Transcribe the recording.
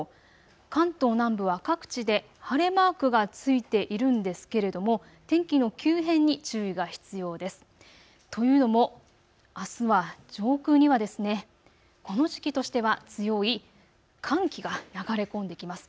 関東南部は各地で晴れマークがついているんですけれども天気の急変に注意が必要です。というのもあすは上空にはこの時期としては強い寒気が流れ込んできます。